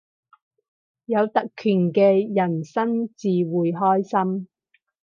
有特權嘅人生至會開心